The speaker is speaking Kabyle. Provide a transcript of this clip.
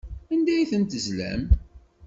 Anda ay tent-tezlam?